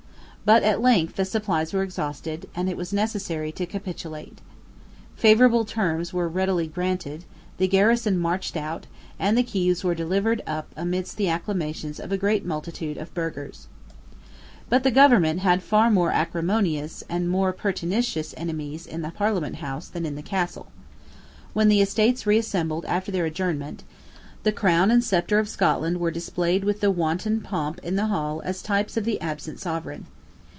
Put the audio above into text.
But at length the supplies were exhausted; and it was necessary to capitulate. Favourable terms were readily granted: the garrison marched out; and the keys were delivered up amidst the acclamations of a great multitude of burghers, But the government had far more acrimonious and more pertinacious enemies in the Parliament House than in the Castle. When the Estates reassembled after their adjournment, the crown and sceptre of Scotland were displayed with the wonted pomp in the hall as types of the absent sovereign.